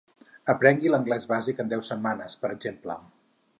«Aprengui l'anglès bàsic en deu setmanes», per exemple.